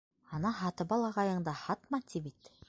Ана Һатыбал ағайың да «һатма», ти бит.